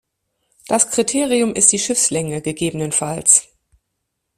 Das Kriterium ist die Schiffslänge, ggf.